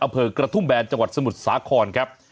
อำเภอกระทุ่มแบนจังหวัดสมุทรสาครครับ